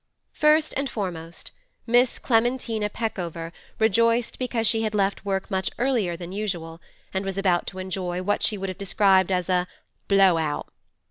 First and foremost, Miss Clementina Peckover rejoiced because she had left work much earlier than usual, and was about to enjoy what she would have described as a 'blow out.